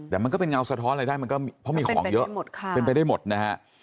แต่มันก็เป็นเงาสะท้อนอะไรได้มันก็เพราะมีของเยอะเป็นไปได้หมดนะฮะ